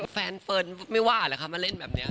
แฟนเฟิร์นไม่ว่าเหรอคะมาเล่นแบบนี้